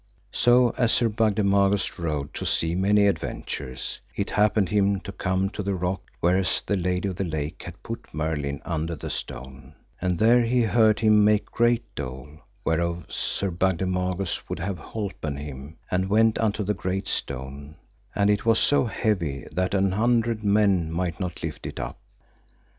So, as Sir Bagdemagus rode to see many adventures, it happed him to come to the rock whereas the Lady of the Lake had put Merlin under the stone, and there he heard him make great dole; whereof Sir Bagdemagus would have holpen him, and went unto the great stone, and it was so heavy that an hundred men might not lift it up.